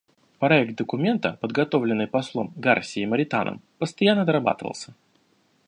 Проект документа, подготовленный послом Гарсией Моританом, постоянно дорабатывался.